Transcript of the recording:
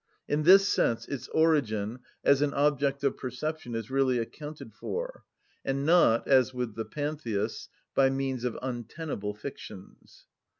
In this sense its origin, as an object of perception, is really accounted for, and not, as with the Pantheists, by means of untenable fictions.